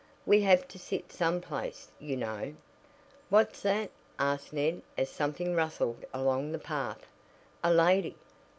"We have to sit some place, you know." "What's that?" asked Ned as something rustled along the path. "A lady!"